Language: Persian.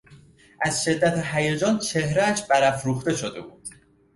از شدت هیجان چهرهاش برافروخته شده بود.